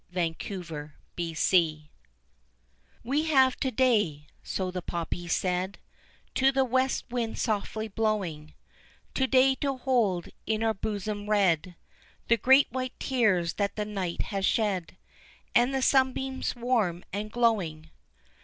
What the Poppies Said "We have to day," so the poppies said To the west wind softly blowing, "To day to hold, in our bosom red, The great white tears that the night has shed And the sunbeams warm and glowing."